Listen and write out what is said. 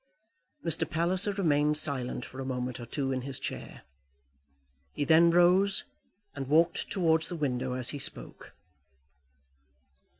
Mr. Palliser remained silent for a moment or two in his chair; he then rose and walked towards the window, as he spoke.